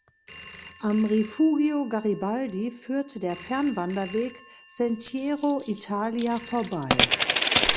Am Rifugio Garibaldi führt der Fernwanderweg Sentiero Italia vorbei.